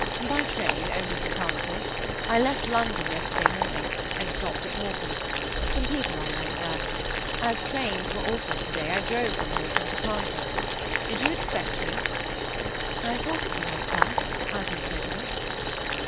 "By train, only from Carnforth. I left London yesterday morning, and stopped at Morecambe—some people I know are there. As trains were awkward to day, I drove from Morecambe to Carnforth. Did you expect me?" "I thought you might come, as you spoke of it."